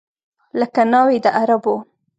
لکه ناوې د عربو